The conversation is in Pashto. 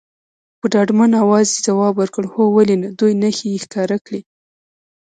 په ډاډمن اواز یې ځواب ورکړ، هو ولې نه، دوې نښې یې ښکاره کړې.